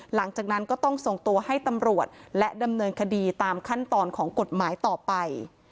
หลังจากนั้นก็ต้องส่งตัวให้ตำรวจและดำเนินคดีตามขั้นตอนของกฎหมายต่อไป